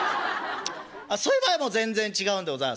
「そういう場合はもう全然違うんでございますね。